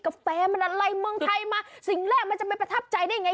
แฟมันอะไรเมืองไทยมาสิ่งแรกมันจะไม่ประทับใจได้ไง